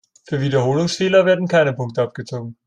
Für Wiederholungsfehler werden keine Punkte abgezogen.